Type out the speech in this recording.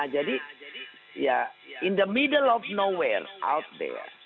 jadi ya di tengah tengah mana mana di luar sana